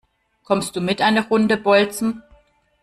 Kommst du mit eine Runde bolzen?